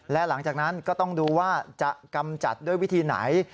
และหลังจากนั้นก็ต้องดูว่าจะกำจัดด้วยวิธีไหน